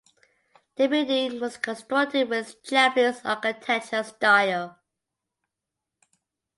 The building was constructed with Japanese architecture style.